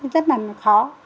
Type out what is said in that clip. rất là khó